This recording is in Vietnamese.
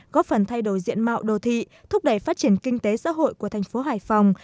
góp phần thay đổi diện mạo đô thị thúc đẩy phát triển kinh tế xã hội của thành phố hải phòng